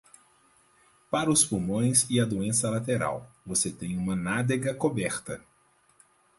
Para os pulmões e a doença lateral, você tem uma nádega coberta.